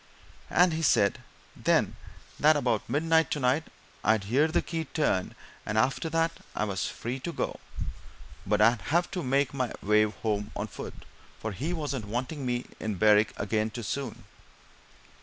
"And he said, then, that about midnight, tonight, I'd hear the key turned, and after that I was free to go, but I'd have to make my way home on foot, for he wasn't wanting me to be in Berwick again too soon."